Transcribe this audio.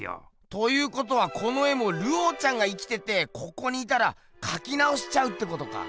ということはこの絵もルオーちゃんが生きててここにいたらかきなおしちゃうってことか。